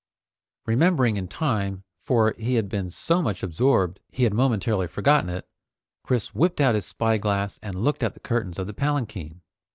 Remembering in time, for he had been so much absorbed he had momentarily forgotten it, Chris whipped out his spyglass and looked at the curtains of the palanquin.